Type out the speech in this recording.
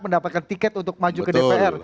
mendapatkan tiket untuk maju ke dpr